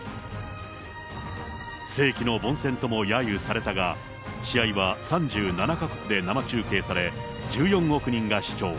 世紀の凡戦ともやゆされたが、試合は３７か国で生中継され、１４億人が視聴。